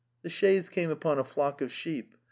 The chaise came upon a flock of sheep.